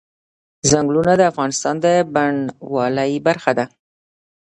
ځنګلونه د افغانستان د بڼوالۍ برخه ده.